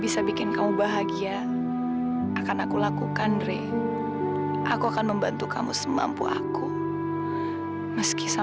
sampai jumpa di video selanjutnya